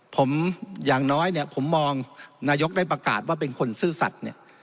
ผมอย่างน้อยเนี่ยผมมองนายกได้ประกาศว่าเป็นคนซื่อสัตว์เนี่ย